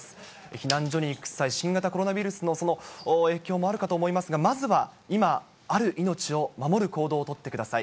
避難所に行く際、新型コロナウイルスのその影響もあるかと思いますが、まずは今、ある命を守る行動を取ってください。